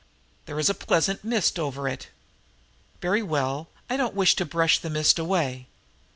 There is a pleasant mist over it. Very well, I don't wish to brush the mist away.